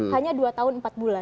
hanya dua tahun empat bulan